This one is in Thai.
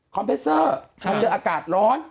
คอมเพสเซอร์เค้าเจออากาศร้อน